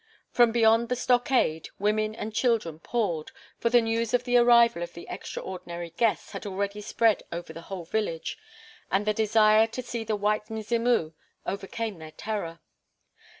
From beyond the stockade women and children poured, for the news of the arrival of the extraordinary guests had already spread over the whole village, and the desire to see the white Mzimu overcame their terror.